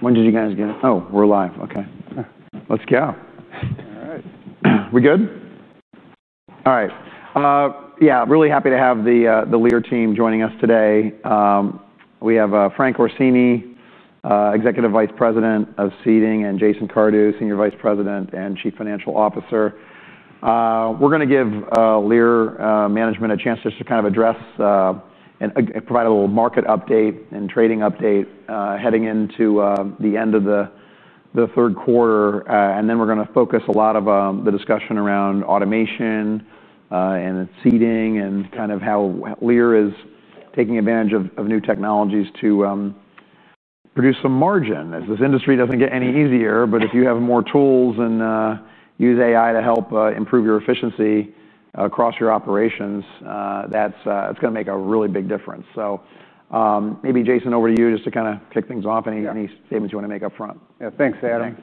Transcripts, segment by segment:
When did you guys get us? Oh, we're live. Okay. Yeah. Let's go. All right. We good? All right. Really happy to have the Lear team joining us today. We have Frank Orsini, Executive Vice President of Seating, and Jason Cardew, Senior Vice President and Chief Financial Officer. We're going to give Lear management a chance to just kind of address and provide a little market update and trading update heading into the end of the third quarter. Then we're going to focus a lot of the discussion around automation and seating and kind of how Lear is taking advantage of new technologies to produce some margin as this industry doesn't get any easier. If you have more tools and use AI to help improve your efficiency across your operations, that's going to make a really big difference. Maybe Jason, over to you just to kind of kick things off. Any statements you want to make up front? Yeah, thanks, Adam.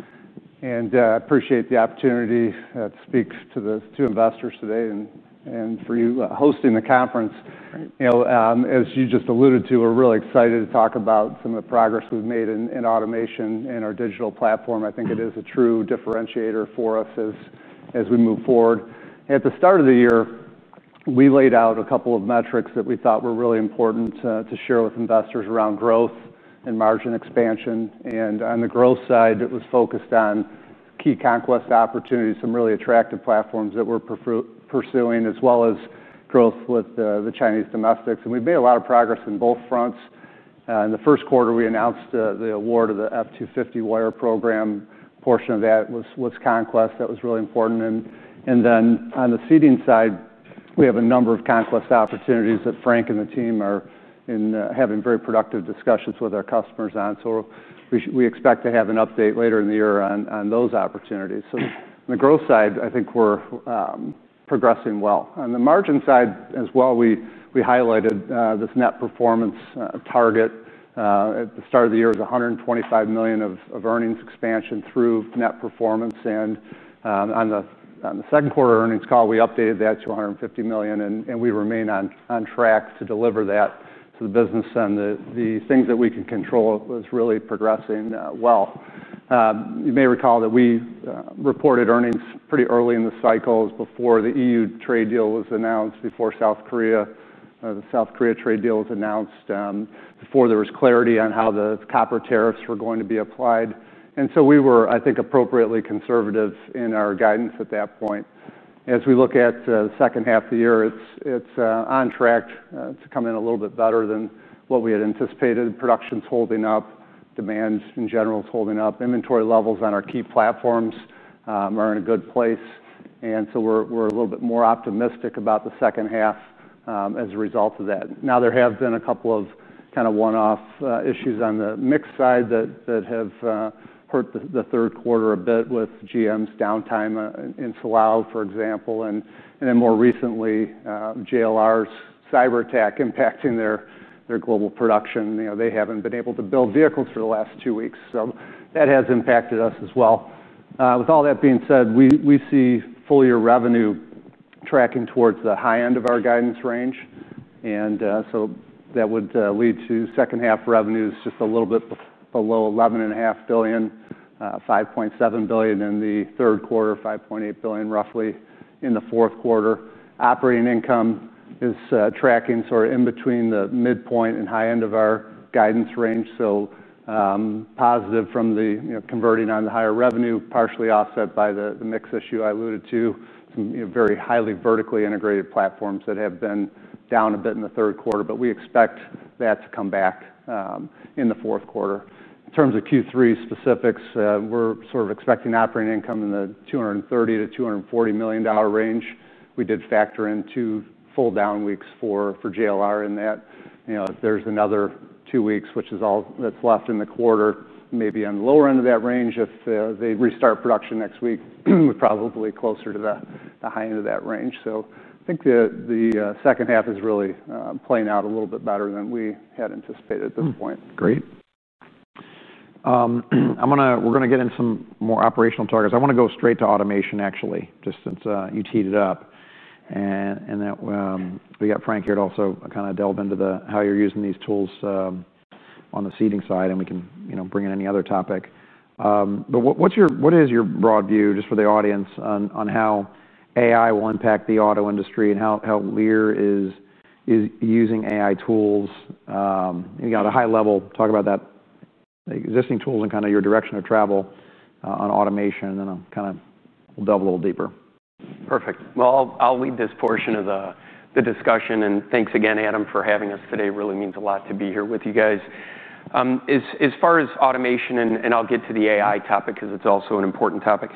I appreciate the opportunity. That speaks to those two investors today and for you, hosting the conference. You know, as you just alluded to, we're really excited to talk about some of the progress we've made in automation and our digital platform. I think it is a true differentiator for us as we move forward. At the start of the year, we laid out a couple of metrics that we thought were really important to share with investors around growth and margin expansion. On the growth side, it was focused on key conquest opportunities, some really attractive platforms that we're pursuing, as well as growth with the Chinese domestics. We've made a lot of progress on both fronts. In the first quarter, we announced the award of the F-250 wire program. Portion of that was conquest. That was really important. On the seating side, we have a number of conquest opportunities that Frank and the team are having very productive discussions with our customers on. We expect to have an update later in the year on those opportunities. On the growth side, I think we're progressing well. On the margin side as well, we highlighted this net performance target. At the start of the year, it was $125 million of earnings expansion through net performance. On the second quarter earnings call, we updated that to $150 million, and we remain on track to deliver that to the business. The things that we can control are really progressing well. You may recall that we reported earnings pretty early in the cycles before the EU trade deal was announced, before the South Korea trade deal was announced, before there was clarity on how the copper tariffs were going to be applied. We were, I think, appropriately conservative in our guidance at that point. As we look at the second half of the year, it's on track to come in a little bit better than what we had anticipated. Production's holding up. Demand in general is holding up. Inventory levels on our key platforms are in a good place. We're a little bit more optimistic about the second half as a result of that. There have been a couple of kind of one-off issues on the mix side that have hurt the third quarter a bit with GM's downtime in Salal, for example. More recently, JLR's cyber attack impacting their global production. They haven't been able to build vehicles for the last two weeks. That has impacted us as well. With all that being said, we see full-year revenue tracking towards the high end of our guidance range. That would lead to second half revenues just a little bit below $11.5 billion, $5.7 billion in the third quarter, $5.8 billion roughly in the fourth quarter. Operating income is tracking sort of in between the midpoint and high end of our guidance range. Positive from the, you know, converting on the higher revenue, partially offset by the mix issue I alluded to, some very highly vertically integrated platforms that have been down a bit in the third quarter, but we expect that to come back in the fourth quarter. In terms of Q3 specifics, we're sort of expecting operating income in the $230 to $240 million range. We did factor in two full down weeks for JLR in that. There's another two weeks, which is all that's left in the quarter, maybe on the lower end of that range. If they restart production next week, we're probably closer to the high end of that range. I think the second half is really playing out a little bit better than we had anticipated at this point. Great. We're going to get into some more operational targets. I want to go straight to automation, actually, just since you teed it up. Frank, here to also kind of delve into how you're using these tools on the seating side, and we can bring in any other topic. What is your broad view just for the audience on how AI will impact the auto industry and how Lear is using AI tools? You got a high level, talk about that, existing tools and kind of your direction of travel on automation. Then I'll delve a little deeper. Perfect. I'll lead this portion of the discussion. Thanks again, Adam, for having us today. It really means a lot to be here with you guys. As far as automation, I'll get to the AI topic because it's also an important topic.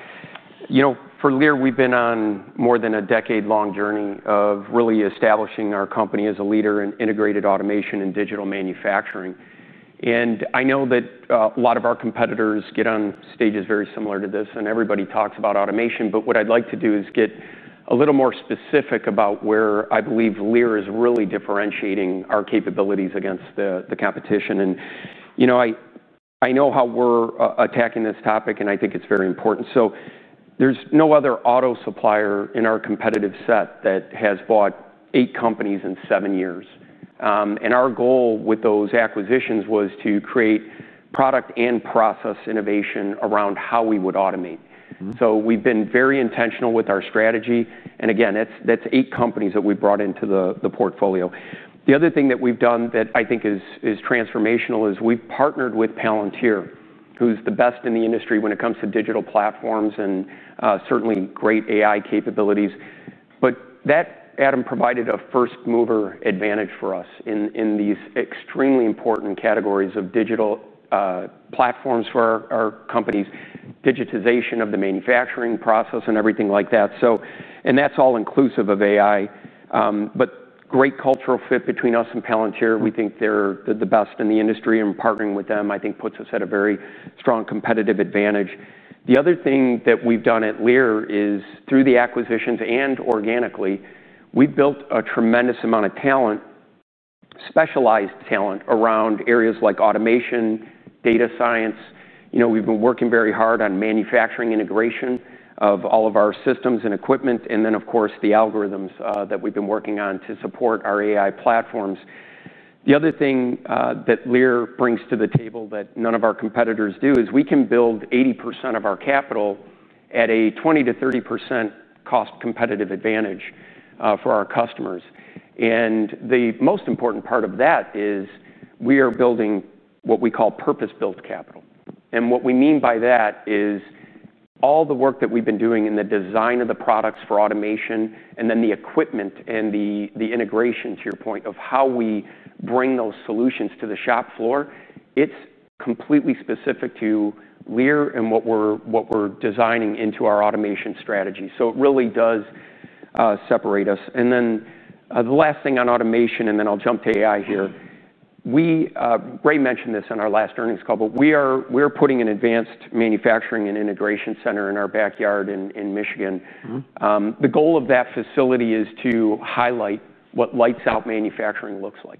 You know, for Lear, we've been on more than a decade-long journey of really establishing our company as a leader in integrated automation and digital manufacturing. I know that a lot of our competitors get on stages very similar to this, and everybody talks about automation. What I'd like to do is get a little more specific about where I believe Lear is really differentiating our capabilities against the competition. I know how we're attacking this topic, and I think it's very important. There's no other auto supplier in our competitive set that has bought eight companies in seven years. Our goal with those acquisitions was to create product and process innovation around how we would automate. We've been very intentional with our strategy. That's eight companies that we brought into the portfolio. The other thing that we've done that I think is transformational is we've partnered with Palantir, who's the best in the industry when it comes to digital platforms and certainly great AI capabilities. That, Adam, provided a first-mover advantage for us in these extremely important categories of digital platforms for our companies, digitization of the manufacturing process and everything like that. That's all inclusive of AI. Great cultural fit between us and Palantir, we think they're the best in the industry, and partnering with them, I think, puts us at a very strong competitive advantage. The other thing that we've done at Lear is through the acquisitions and organically, we've built a tremendous amount of talent, specialized talent around areas like automation, data science. We've been working very hard on manufacturing integration of all of our systems and equipment, and then, of course, the algorithms that we've been working on to support our AI platforms. The other thing that Lear brings to the table that none of our competitors do is we can build 80% of our capital at a 20% to 30% cost-competitive advantage for our customers. The most important part of that is we are building what we call purpose-built capital. What we mean by that is all the work that we've been doing in the design of the products for automation and then the equipment and the integration, to your point, of how we bring those solutions to the shop floor, is completely specific to Lear and what we're designing into our automation strategy. It really does separate us. The last thing on automation, and then I'll jump to AI here. Ray mentioned this in our last earnings call, but we are putting an advanced manufacturing and integration center in our backyard in Michigan. The goal of that facility is to highlight what lights out manufacturing looks like.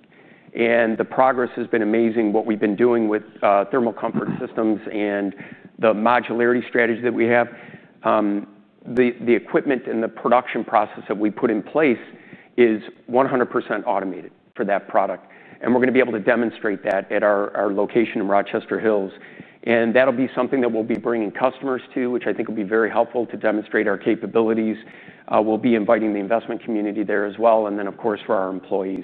The progress has been amazing, what we've been doing with thermal comfort systems and the modularity strategy that we have. The equipment and the production process that we put in place is 100% automated for that product. We're going to be able to demonstrate that at our location in Rochester Hills. That will be something that we'll be bringing customers to, which I think will be very helpful to demonstrate our capabilities. We'll be inviting the investment community there as well, and of course, for our employees.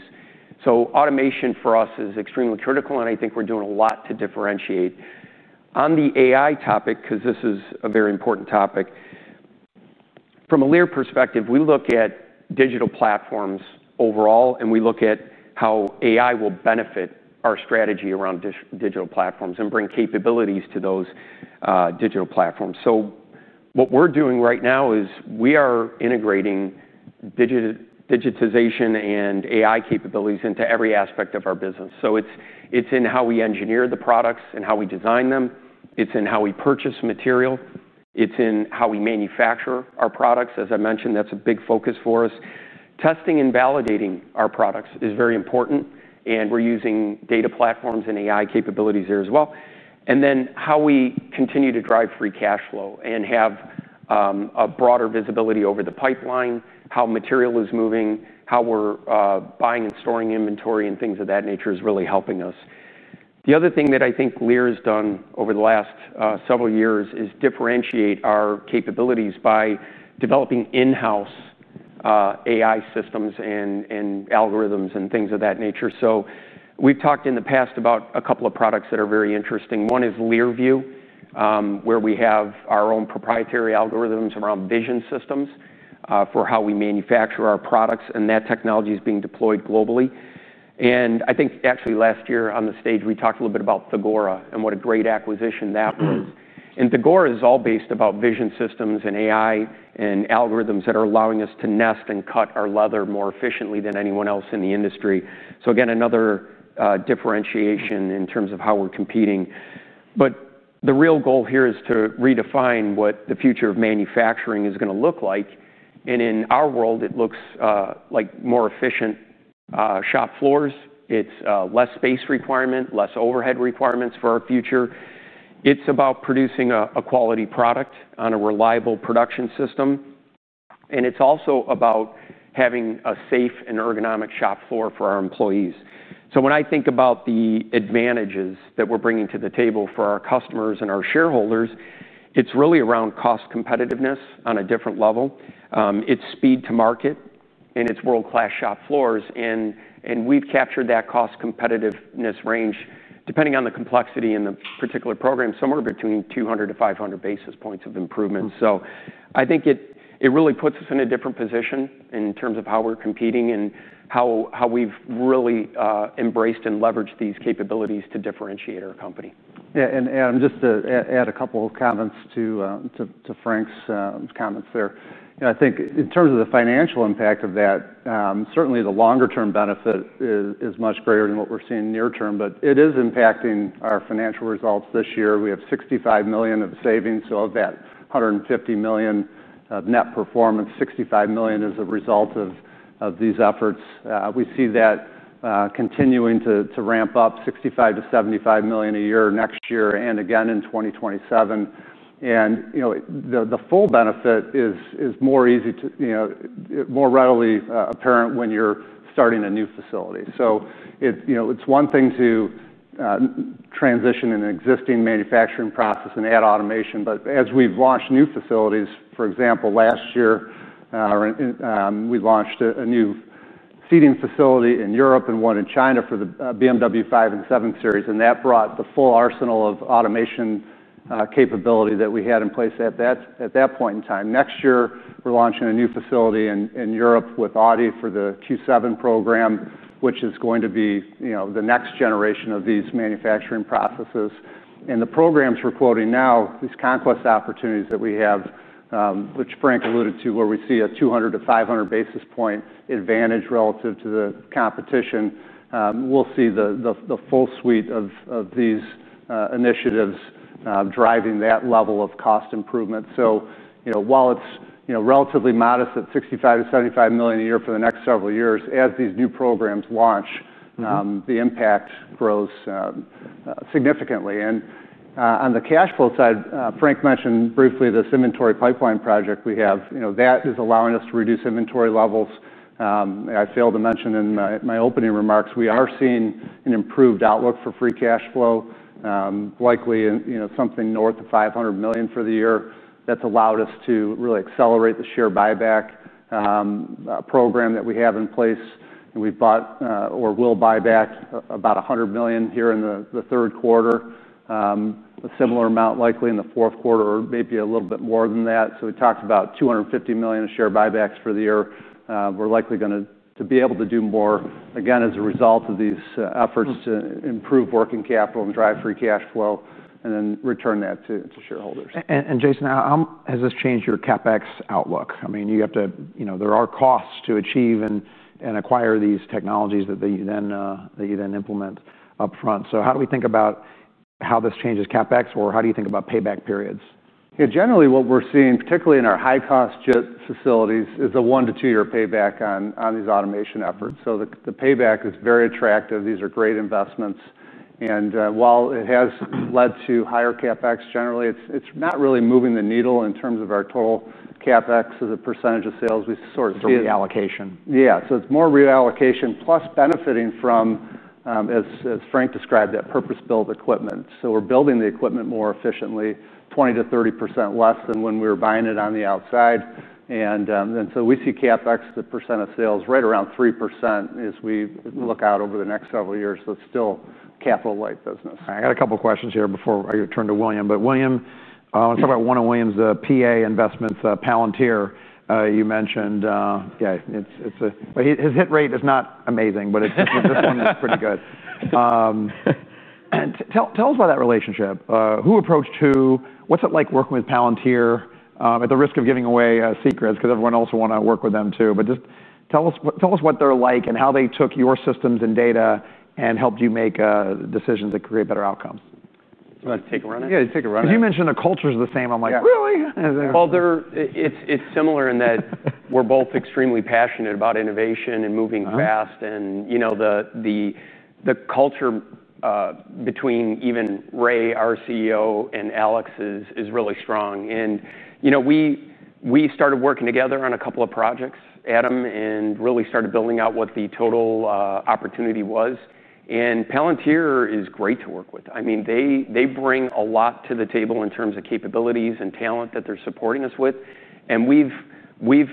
Automation for us is extremely critical, and I think we're doing a lot to differentiate. On the AI topic, because this is a very important topic, from a Lear perspective, we look at digital platforms overall, and we look at how AI will benefit our strategy around digital platforms and bring capabilities to those digital platforms. What we're doing right now is we are integrating digitization and AI capabilities into every aspect of our business. It's in how we engineer the products and how we design them. It's in how we purchase material. It's in how we manufacture our products. As I mentioned, that's a big focus for us. Testing and validating our products is very important, and we're using data platforms and AI capabilities there as well. How we continue to drive free cash flow and have a broader visibility over the pipeline, how material is moving, how we're buying and storing inventory, and things of that nature is really helping us. The other thing that I think Lear has done over the last several years is differentiate our capabilities by developing in-house AI systems and algorithms and things of that nature. We've talked in the past about a couple of products that are very interesting. One is LearView, where we have our own proprietary algorithms around vision systems for how we manufacture our products. That technology is being deployed globally. I think actually last year on the stage, we talked a little bit about Thagora and what a great acquisition that was. Thagora is all based about vision systems and AI and algorithms that are allowing us to nest and cut our leather more efficiently than anyone else in the industry. Again, another differentiation in terms of how we're competing. The real goal here is to redefine what the future of manufacturing is going to look like. In our world, it looks like more efficient shop floors. It's less space requirement, less overhead requirements for our future. It's about producing a quality product on a reliable production system. It's also about having a safe and ergonomic shop floor for our employees. When I think about the advantages that we're bringing to the table for our customers and our shareholders, it's really around cost competitiveness on a different level. It's speed to market and it's world-class shop floors. We've captured that cost competitiveness range depending on the complexity in the particular program, somewhere between 200 to 500 basis points of improvement. I think it really puts us in a different position in terms of how we're competing and how we've really embraced and leveraged these capabilities to differentiate our company. Yeah, and just to add a couple of comments to Frank's comments there. I think in terms of the financial impact of that, certainly the longer-term benefit is much greater than what we're seeing near-term, but it is impacting our financial results this year. We have $65 million of savings, so of that $150 million of net performance, $65 million is a result of these efforts. We see that continuing to ramp up, $65 to $75 million a year next year and again in 2027. The full benefit is more readily apparent when you're starting a new facility. It's one thing to transition an existing manufacturing process and add automation, but as we've launched new facilities, for example, last year, we launched a new seating facility in Europe and one in China for the BMW 5 and 7 Series, and that brought the full arsenal of automation capability that we had in place at that point in time. Next year, we're launching a new facility in Europe with Audi for the Q7 program, which is going to be the next generation of these manufacturing processes. The programs we're quoting now, these conquest opportunities that we have, which Frank alluded to, where we see a 200 to 500 basis point advantage relative to the competition, we'll see the full suite of these initiatives driving that level of cost improvement. While it's relatively modest at $65 to $75 million a year for the next several years, as these new programs launch, the impact grows significantly. On the cash flow side, Frank mentioned briefly this inventory pipeline project we have. That is allowing us to reduce inventory levels. I failed to mention in my opening remarks, we are seeing an improved outlook for free cash flow, likely something north of $500 million for the year. That's allowed us to really accelerate the share buyback program that we have in place. We bought or will buy back about $100 million here in the third quarter, a similar amount likely in the fourth quarter or maybe a little bit more than that. We talked about $250 million in share buybacks for the year. We're likely going to be able to do more, again, as a result of these efforts to improve working capital and drive free cash flow and then return that to shareholders. Jason, how has this changed your CapEx outlook? You have to, you know, there are costs to achieve and acquire these technologies that you then implement up front. How do we think about how this changes CapEx or how do you think about payback periods? Yeah, generally what we're seeing, particularly in our high-cost jet facilities, is a one to two-year payback on these automation efforts. The payback is very attractive. These are great investments. While it has led to higher CapEx, generally, it's not really moving the needle in terms of our total CapEx as a % of sales. It's a reallocation. Yeah, so it's more reallocation plus benefiting from, as Frank described, that purpose-built equipment. We're building the equipment more efficiently, 20% to 30% less than when we were buying it on the outside. We see CapEx, the % of sales, right around 3% as we look out over the next several years. It's still a capital-light business. I got a couple of questions here before I turn to William, but William, I want to talk about one of William's PA investments, Palantir. You mentioned, yeah, his hit rate is not amazing, but this one is pretty good. Tell us about that relationship. Who approached who? What's it like working with Palantir at the risk of giving away secrets because everyone else will want to work with them too, but just tell us what they're like and how they took your systems and data and helped you make decisions that create a better outcome. Do you want to take a run at it? Yeah, take a run at it. Because you mentioned the culture is the same. I'm like, really? It's similar in that we're both extremely passionate about innovation and moving fast. The culture between even Ray, our CEO, and Alex is really strong. We started working together on a couple of projects, Adam, and really started building out what the total opportunity was. Palantir is great to work with. They bring a lot to the table in terms of capabilities and talent that they're supporting us with. We've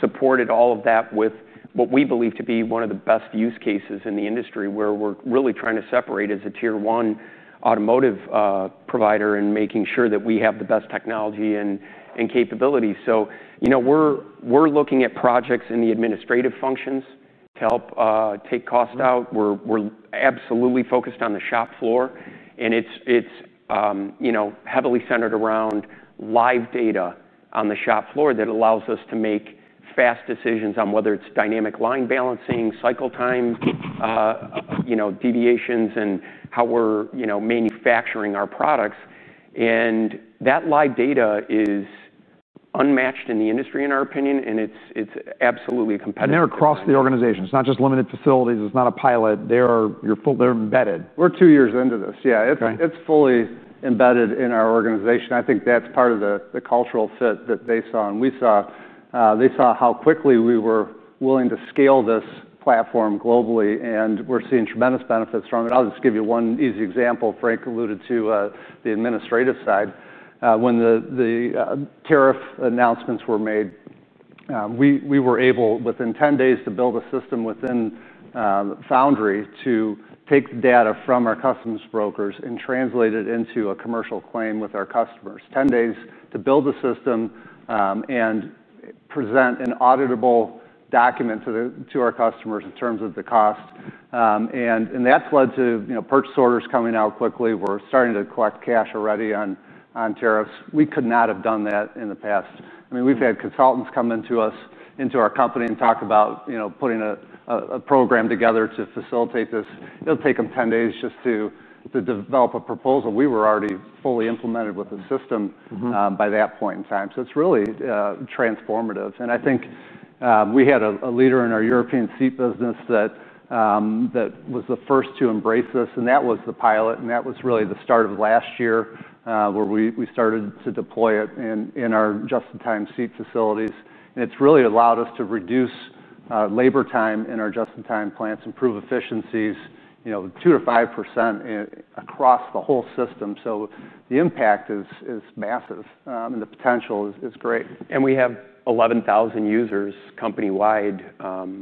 supported all of that with what we believe to be one of the best use cases in the industry where we're really trying to separate as a tier one automotive provider and making sure that we have the best technology and capabilities. We're looking at projects in the administrative functions to help take cost out. We're absolutely focused on the shop floor. It's heavily centered around live data on the shop floor that allows us to make fast decisions on whether it's dynamic line balancing, cycle time, deviations, and how we're manufacturing our products. That live data is unmatched in the industry, in our opinion, and it's absolutely a competitor. They're across the organization. It's not just limited facilities. It's not a pilot. They're embedded. We're two years into this. Yeah, it's fully embedded in our organization. I think that's part of the cultural fit that they saw and we saw. They saw how quickly we were willing to scale this platform globally, and we're seeing tremendous benefits from it. I'll just give you one easy example. Frank alluded to the administrative side. When the tariff announcements were made, we were able, within 10 days, to build a system within Palantir Foundry to take the data from our customs brokers and translate it into a commercial claim with our customers. Ten days to build a system and present an auditable document to our customers in terms of the cost. That has led to purchase orders coming out quickly. We're starting to collect cash already on tariffs. We could not have done that in the past. We've had consultants come into our company and talk about, you know, putting a program together to facilitate this. It'll take them 10 days just to develop a proposal. We were already fully implemented with the system by that point in time. It is really transformative. I think we had a leader in our European seat business that was the first to embrace this, and that was the pilot. That was really the start of last year where we started to deploy it in our just-in-time seat facilities. It's really allowed us to reduce labor time in our just-in-time plants, improve efficiencies, you know, 2 to 5% across the whole system. The impact is massive, and the potential is great. We have 11,000 users company-wide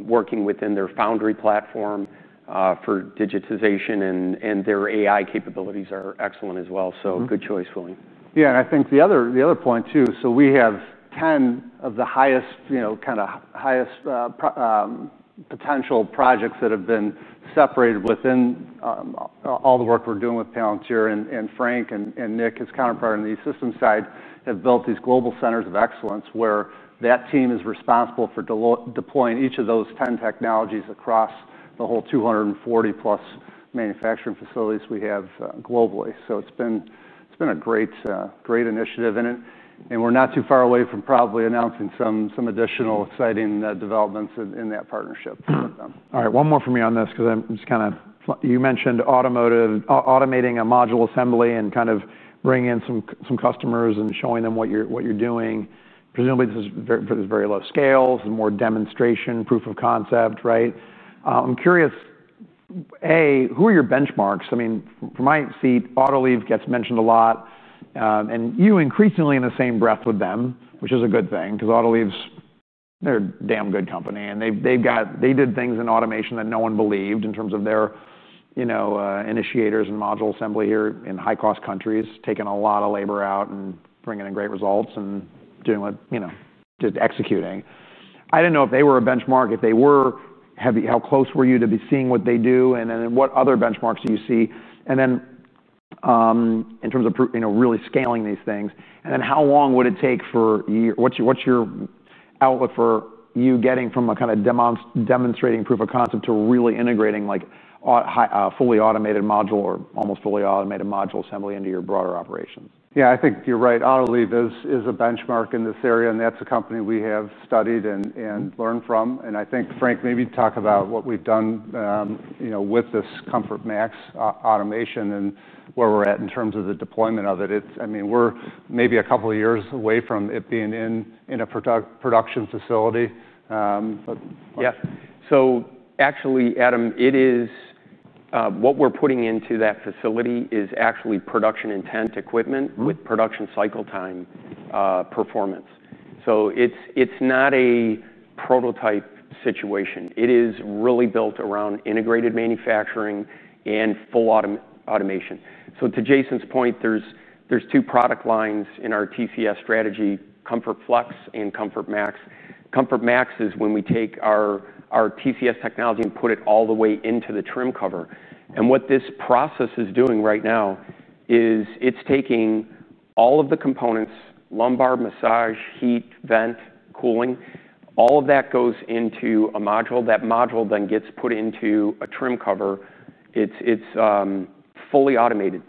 working within their Palantir Foundry platform for digitization, and their AI capabilities are excellent as well. Good choice, William. Yeah, I think the other point too, we have 10 of the highest, you know, kind of highest potential projects that have been separated within all the work we're doing with Palantir. Frank and Nick, his counterpart on the E-Systems side, have built these global centers of excellence where that team is responsible for deploying each of those 10 technologies across the whole 240+ manufacturing facilities we have globally. It's been a great initiative, and we're not too far away from probably announcing some additional exciting developments in that partnership with them. All right, one more for me on this, because I'm just kind of, you mentioned automating a module assembly and kind of bringing in some customers and showing them what you're doing. Presumably, this is very low scales, more demonstration, proof of concept, right? I'm curious, A, who are your benchmarks? I mean, from my seat, Autoliv gets mentioned a lot, and you increasingly in the same breath with them, which is a good thing, because Autoliv's, they're a damn good company, and they've got, they did things in automation that no one believed in terms of their, you know, initiators and module assembly here in high-cost countries, taking a lot of labor out and bringing in great results and doing what, you know, just executing. I didn't know if they were a benchmark. If they were, how close were you to be seeing what they do, and then what other benchmarks do you see? In terms of really scaling these things, how long would it take for you, what's your outlook for you getting from a kind of demonstrating proof of concept to really integrating like a fully automated module or almost fully automated module assembly into your broader operation? Yeah, I think you're right. Autoliv is a benchmark in this area, and that's a company we have studied and learned from. I think, Frank, maybe talk about what we've done with this ComfortMax automation and where we're at in terms of the deployment of it. I mean, we're maybe a couple of years away from it being in a production facility. Yeah, Adam, what we're putting into that facility is actually production intent equipment with production cycle time performance. It's not a prototype situation. It is really built around integrated manufacturing and full automation. To Jason's point, there are two product lines in our TCS strategy, ComfortFlex and ComfortMax. ComfortMax is when we take our TCS technology and put it all the way into the trim cover. What this process is doing right now is it's taking all of the components, lumbar massage, heat, vent, cooling, all of that goes into a module. That module then gets put into a trim cover. It's fully automated.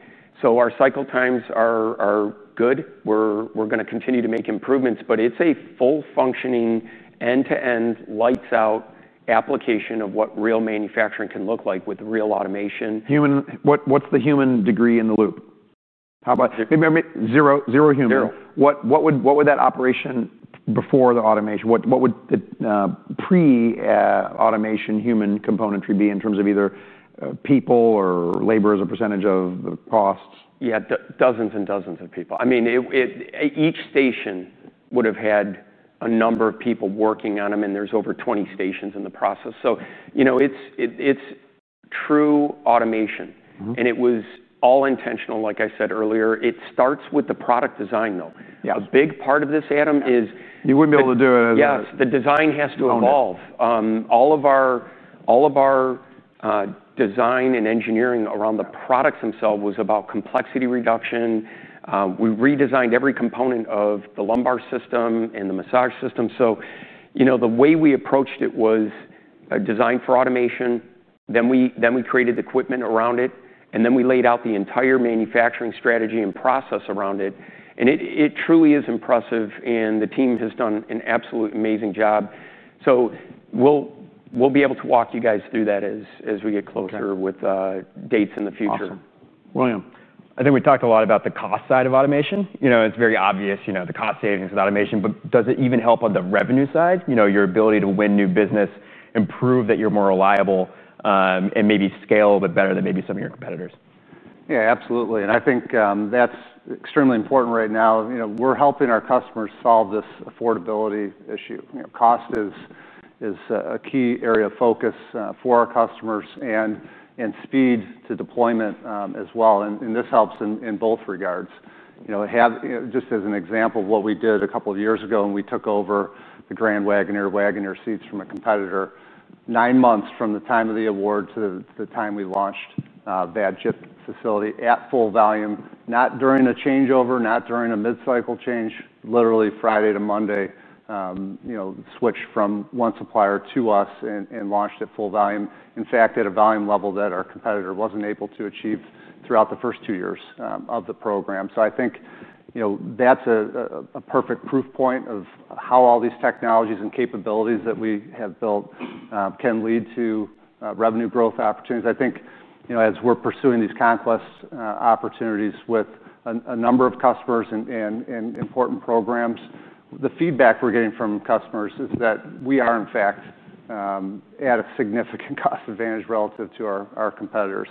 Our cycle times are good. We're going to continue to make improvements, but it's a full functioning end-to-end lights-out application of what real manufacturing can look like with real automation. What's the human degree in the loop? How about zero human? What would that operation before the automation, what would the pre-automation human componentry be in terms of either people or labor as a % of the cost? Yeah, dozens and dozens of people. I mean, each station would have had a number of people working on them, and there's over 20 stations in the process. It is true automation, and it was all intentional, like I said earlier. It starts with the product design, though. A big part of this, Adam, is... as efficiently or as cost effectively without the digital manufacturing capabilities that Lear has developed. Yes, the design has to evolve. All of our design and engineering around the products themselves was about complexity reduction. We redesigned every component of the lumbar system and the massage system. The way we approached it was a design for automation, then we created the equipment around it, and then we laid out the entire manufacturing strategy and process around it. It truly is impressive, and the team has done an absolutely amazing job. We will be able to walk you guys through that as we get closer with dates in the future. Awesome. William. I think we talked a lot about the cost side of automation. You know, it's very obvious, you know, the cost savings with automation, but does it even help on the revenue side? You know, your ability to win new business, improve that you're more reliable, and maybe scale a little bit better than maybe some of your competitors? Yeah, absolutely. I think that's extremely important right now. We're helping our customers solve this affordability issue. Cost is a key area of focus for our customers and speed to deployment as well. This helps in both regards. Just as an example of what we did a couple of years ago, we took over the Grand Wagoneer Wagoneer seats from a competitor nine months from the time of the award to the time we launched that shift facility at full volume, not during a changeover, not during a mid-cycle change, literally Friday to Monday, switched from one supplier to us and launched at full volume. In fact, at a volume level that our competitor wasn't able to achieve throughout the first two years of the program. I think that's a perfect proof point of how all these technologies and capabilities that we have built can lead to revenue growth opportunities. As we're pursuing these conquest opportunities with a number of customers and important programs, the feedback we're getting from customers is that we are, in fact, at a significant cost advantage relative to our competitors.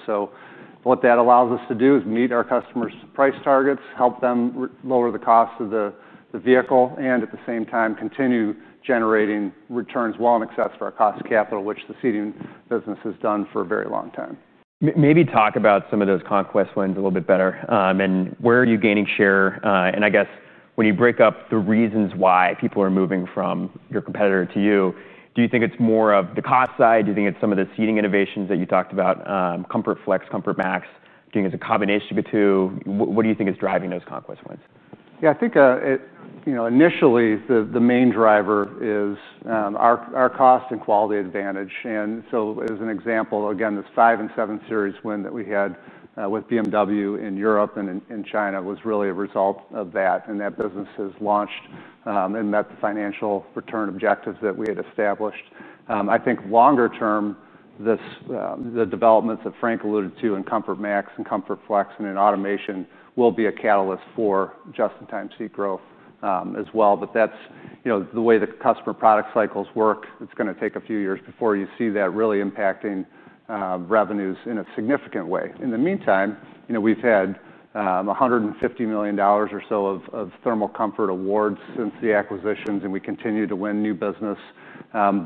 What that allows us to do is meet our customers' price targets, help them lower the cost of the vehicle, and at the same time, continue generating returns well in excess of our cost of capital, which the Seating business has done for a very long time. Maybe talk about some of those conquest wins a little bit better. Where are you gaining share? When you break up the reasons why people are moving from your competitor to you, do you think it's more of the cost side? Do you think it's some of the seating innovations that you talked about, ComfortFlex, ComfortMax? Do you think it's a combination of the two? What do you think is driving those conquest wins? Yeah, I think, you know, initially the main driver is our cost and quality advantage. For example, this 5 and 7 Series win that we had with BMW in Europe and in China was really a result of that. That business has launched and met the financial return objectives that we had established. I think longer term, the developments that Frank alluded to in ComfortMax and ComfortFlex and in automation will be a catalyst for just-in-time seat growth as well. That's, you know, the way the customer product cycles work, it's going to take a few years before you see that really impacting revenues in a significant way. In the meantime, we've had $150 million or so of Thermal Comfort awards since the acquisitions, and we continue to win new business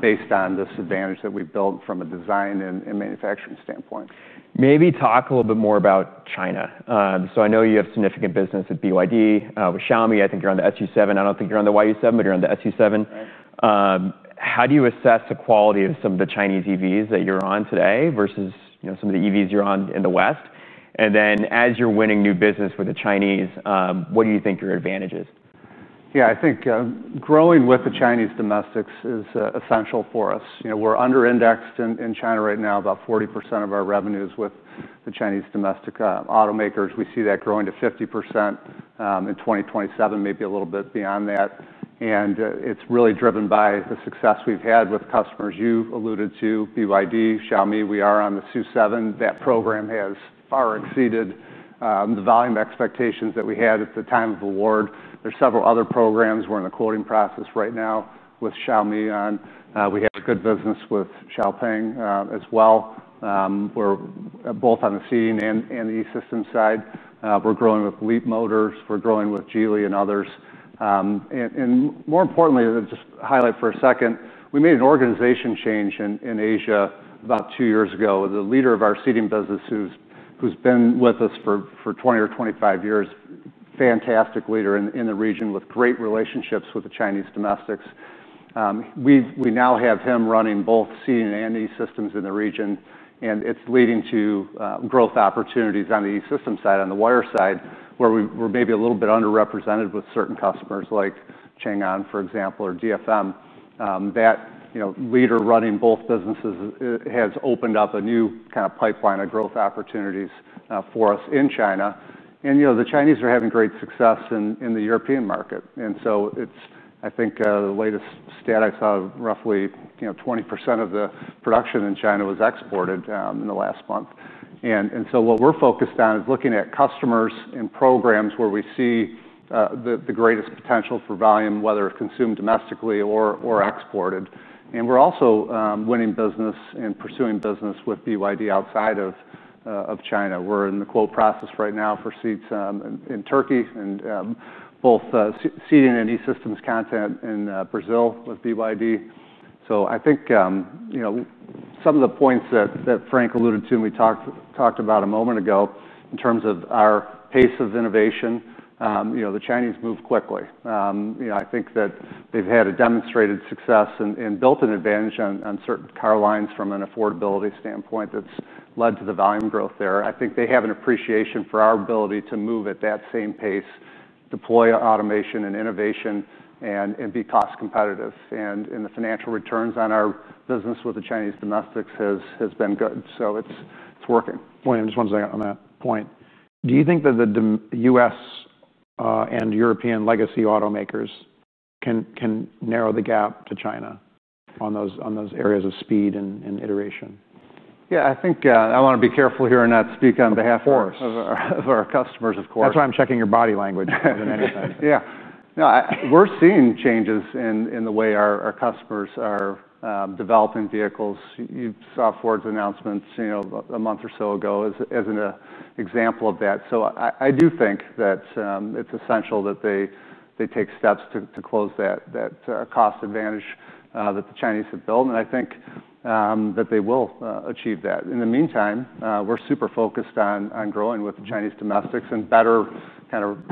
based on this advantage that we've built from a design and manufacturing standpoint. Maybe talk a little bit more about China. I know you have significant business at BYD with Xiaomi. I think you're on the SU7. I don't think you're on the YU7, but you're on the SU7. How do you assess the quality of some of the Chinese EVs that you're on today versus some of the EVs you're on in the West? As you're winning new business with the Chinese, what do you think your advantage is? Yeah, I think growing with the Chinese domestics is essential for us. We're under-indexed in China right now, about 40% of our revenues with the Chinese domestic automakers. We see that growing to 50% in 2027, maybe a little bit beyond that. It's really driven by the success we've had with customers. You alluded to BYD, Xiaomi. We are on the SU7. That program has far exceeded the volume expectations that we had at the time of award. There are several other programs. We're in the quoting process right now with Xiaomi. We have good business with Xiaopeng as well. We're both on the seating and the e-system side. We're growing with Leap Motors. We're growing with Geely and others. More importantly, to just highlight for a second, we made an organization change in Asia about two years ago. The leader of our seating business, who's been with us for 20 or 25 years, a fantastic leader in the region with great relationships with the Chinese domestics. We now have him running both seating and e-systems in the region. It's leading to growth opportunities on the e-system side, on the wire side, where we're maybe a little bit underrepresented with certain customers like Chang'an, for example, or DFM. That leader running both businesses has opened up a new kind of pipeline of growth opportunities for us in China. The Chinese are having great success in the European market. I think the latest statistics out of roughly 20% of the production in China was exported in the last month. What we're focused on is looking at customers and programs where we see the greatest potential for volume, whether it's consumed domestically or exported. We're also winning business and pursuing business with BYD outside of China. We're in the quote process right now for seats in Turkey and both seating and e-systems content in Brazil with BYD. I think some of the points that Frank alluded to and we talked about a moment ago in terms of our pace of innovation, the Chinese move quickly. I think that they've had a demonstrated success and built an advantage on certain car lines from an affordability standpoint that's led to the volume growth there. I think they have an appreciation for our ability to move at that same pace, deploy automation and innovation, and be cost-competitive. The financial returns on our business with the Chinese domestics have been good. It's working. William, just one thing on that point. Do you think that the U.S. and European legacy automakers can narrow the gap to China on those areas of speed and iteration? Yeah, I think I want to be careful here and not speak on behalf of our customers, of course. That's why I'm checking your body language more than anything. Yeah, no, we're seeing changes in the way our customers are developing vehicles. You saw Ford's announcements a month or so ago as an example of that. I do think that it's essential that they take steps to close that cost advantage that the Chinese have built. I think that they will achieve that. In the meantime, we're super focused on growing with the Chinese domestics and better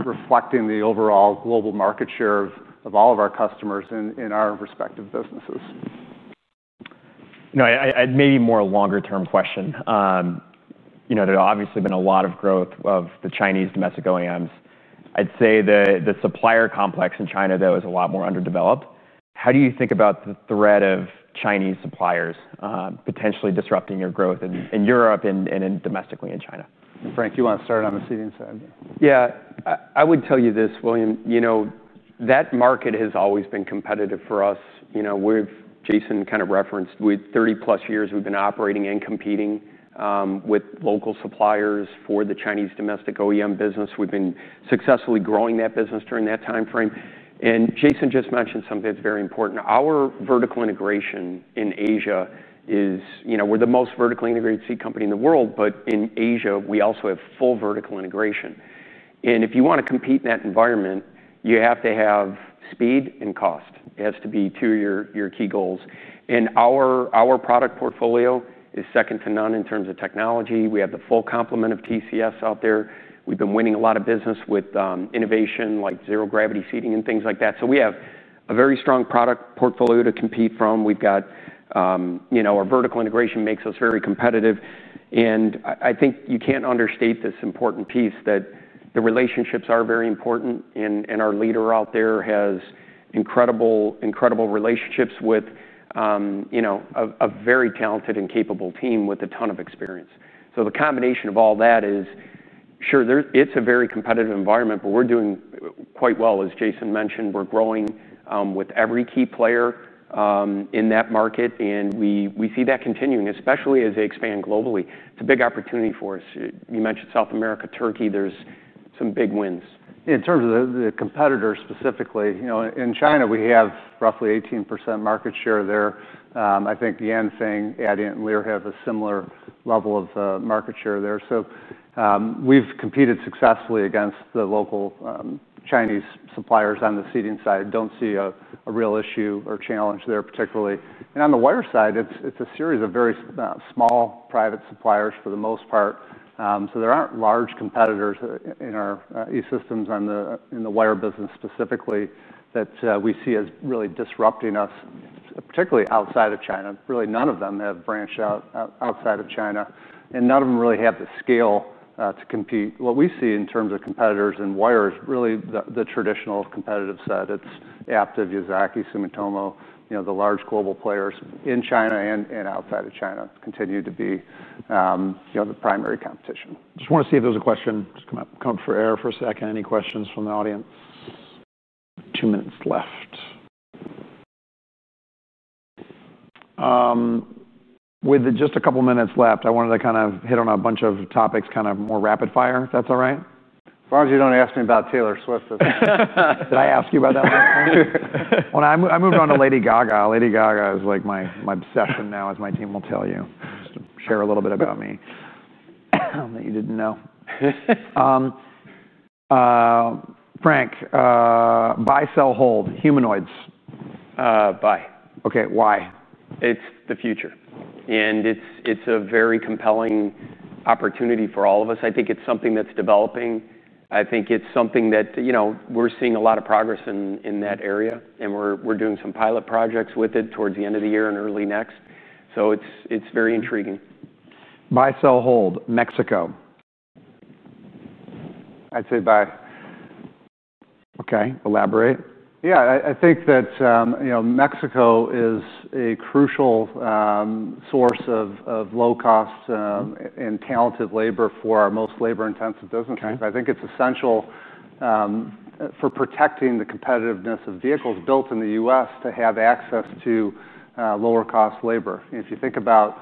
reflecting the overall global market share of all of our customers in our respective businesses. No, I had maybe more a longer-term question. You know, there's obviously been a lot of growth of the Chinese domestic OEMs. I'd say the supplier complex in China, though, is a lot more underdeveloped. How do you think about the threat of Chinese suppliers potentially disrupting your growth in Europe and domestically in China? Frank, do you want to start on the Seating side? Yeah, I would tell you this, William. You know, that market has always been competitive for us. We've, Jason kind of referenced, we've 30+ years, we've been operating and competing with local suppliers for the Chinese domestic OEM business. We've been successfully growing that business during that timeframe. Jason just mentioned something that's very important. Our vertical integration in Asia is, you know, we're the most vertically integrated seat company in the world, but in Asia, we also have full vertical integration. If you want to compete in that environment, you have to have speed and cost. It has to be two of your key goals. Our product portfolio is second to none in terms of technology. We have the full complement of TCS out there. We've been winning a lot of business with innovation like zero gravity seating and things like that. We have a very strong product portfolio to compete from. Our vertical integration makes us very competitive. I think you can't understate this important piece that the relationships are very important. Our leader out there has incredible, incredible relationships with a very talented and capable team with a ton of experience. The combination of all that is, sure, it's a very competitive environment, but we're doing quite well, as Jason mentioned. We're growing with every key player in that market. We see that continuing, especially as they expand globally. It's a big opportunity for us. You mentioned South America, Turkey, there's some big wins. In terms of the competitor specifically, you know, in China, we have roughly 18% market share there. I think Yanfeng, Adient, and Lear have a similar level of market share there. We've competed successfully against the local Chinese suppliers on the seating side. I don't see a real issue or challenge there particularly. On the wire side, it's a series of very small private suppliers for the most part. There aren't large competitors in our E-Systems in the wire business specifically that we see as really disrupting us, particularly outside of China. Really, none of them have branched out outside of China. None of them really have the scale to compete. What we see in terms of competitors in wire is really the traditional competitive side. It's Aptiv, Yazaki, Sumitomo, you know, the large global players in China and outside of China continue to be the primary competition. Just want to see if there's a question. Just come up for air for a second. Any questions from the audience? Two minutes left. With just a couple of minutes left, I wanted to kind of hit on a bunch of topics, kind of more rapid fire, if that's all right. As long as you don't ask me about Taylor Swift. Did I ask you about that last time? When I moved on to Lady Gaga, Lady Gaga is like my obsession now, as my team will tell you. Just to share a little bit about me. Fun fact you didn't know. Frank, buy, sell, hold, humanoids. Buy. Okay, why? It's the future, and it's a very compelling opportunity for all of us. I think it's something that's developing. I think it's something that, you know, we're seeing a lot of progress in that area. We're doing some pilot projects with it towards the end of the year and early next. It's very intriguing. Buy, sell, hold, Mexico. I'd say buy. Okay, elaborate. I think that Mexico is a crucial source of low-cost and talented labor for our most labor-intensive businesses. I think it's essential for protecting the competitiveness of vehicles built in the U.S. to have access to lower-cost labor. If you think about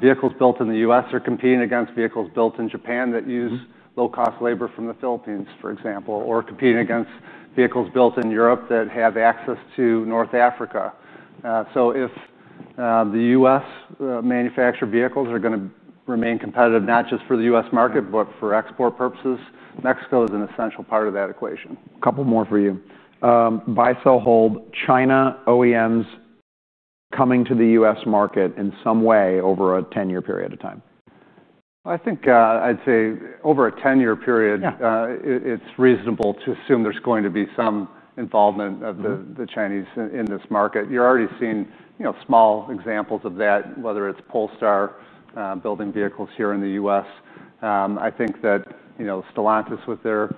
vehicles built in the U.S., they're competing against vehicles built in Japan that use low-cost labor from the Philippines, for example, or competing against vehicles built in Europe that have access to North Africa. If U.S. manufactured vehicles are going to remain competitive, not just for the U.S. market, but for export purposes, Mexico is an essential part of that equation. A couple more for you. Buy, sell, hold, China OEMs coming to the U.S. market in some way over a 10-year period of time. I think I'd say over a 10-year period, it's reasonable to assume there's going to be some involvement of the Chinese in this market. You're already seeing small examples of that, whether it's Polestar building vehicles here in the U.S. I think that Stellantis with their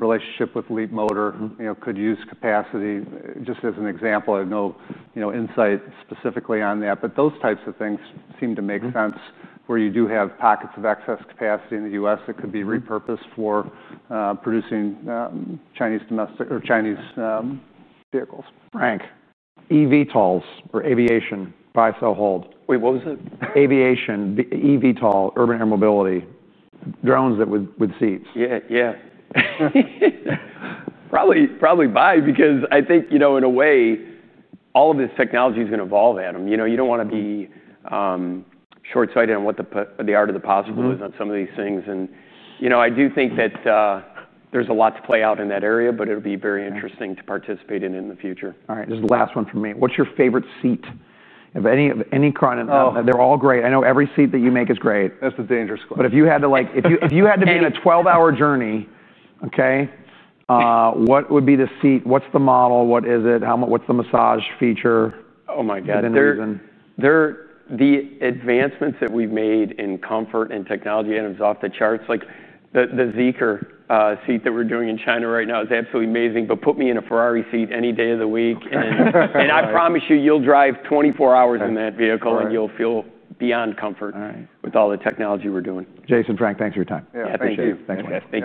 relationship with Leap Motor could use capacity. Just as an example, I have no insight specifically on that, but those types of things seem to make sense where you do have pockets of excess capacity in the U.S. that could be repurposed for producing Chinese domestic or Chinese vehicles. Frank, eVTOLs or aviation, buy, sell, hold. What was it? Aviation, eVTOLs, urban air mobility, drones that would seat. Yeah, probably buy because I think, you know, in a way, all of this technology is going to evolve, Adam. You know, you don't want to be shortsighted on what the art of the possible is on some of these things. I do think that there's a lot to play out in that area, but it'll be very interesting to participate in it in the future. All right, just the last one for me. What's your favorite seat of any car? They're all great. I know every seat that you make is great. That's the dangerous question. If you had to be in a 12-hour journey, okay, what would be the seat? What's the model? What is it? What's the massage feature? Oh my God. You didn't even? The advancements that we've made in comfort and technology, it was off the charts. Like the Zeekr seat that we're doing in China right now is absolutely amazing. Put me in a Ferrari seat any day of the week, and I promise you you'll drive 24 hours in that vehicle and you'll feel beyond comfort with all the technology we're doing. Jason, Frank, thanks for your time. Yeah, thank you. Thanks, Mike.